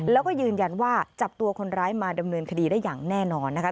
แล้วก็ยืนยันว่าจับตัวคนร้ายมาดำเนินคดีได้อย่างแน่นอนนะคะ